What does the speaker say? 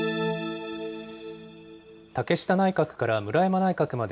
竹下内閣から村山内閣まで、